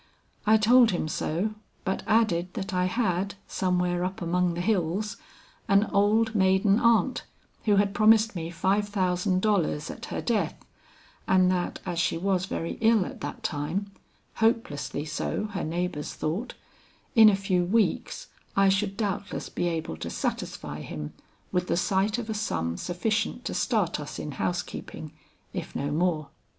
I told him so, but added that I had, somewhere up among the hills, an old maiden aunt who had promised me five thousand dollars at her death; and that as she was very ill at that time hopelessly so, her neighbors thought in a few weeks I should doubtless be able to satisfy him with the sight of a sum sufficient to start us in housekeeping, if no more.